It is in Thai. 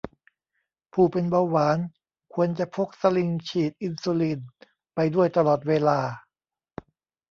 ผู้เป็นเบาหวาน ควรจะพกสลิงก์ฉีดอินซูลิน ไปด้วยตลอดเวลา